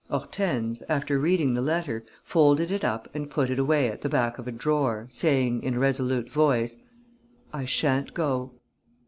Hortense, after reading the letter, folded it up and put it away at the back of a drawer, saying, in a resolute voice: "I sha'n't go."